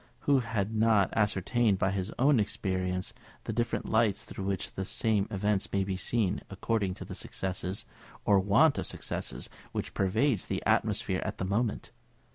Who has not ascertained by his own experience the different lights through which the same events may be seen, according to the success, or want of success, which pervades the atmosphere at the moment?